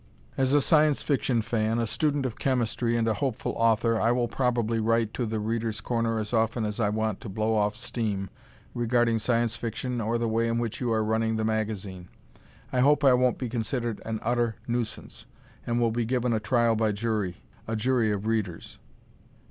As a Science Fiction fan, a student of chemistry, and a hopeful author, I will probably write to "The Readers' Corner" as often as I want to blow off steam regarding science or fiction or the way in which you are running the magazine. I hope I won't be considered an utter nuisance, and will be given a trial by jury a jury of readers.